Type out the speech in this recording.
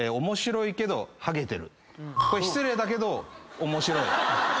これ失礼だけど面白い。